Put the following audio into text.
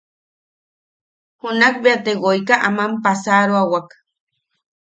Junak bea te woika aman passaroawak.